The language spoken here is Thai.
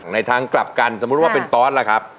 ในทางกลับกันสมมุติว่าเป็นตอสล่ะครับ